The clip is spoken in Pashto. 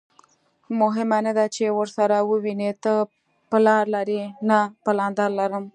مهمه نه ده چې ورسره ووینې، ته پلار لرې؟ نه، پلندر لرم.